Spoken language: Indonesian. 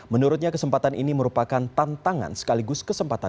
menurutnya kesempatan ini merupakan tantangan sekaligus kesempatan